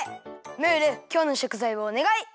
ムールきょうのしょくざいをおねがい！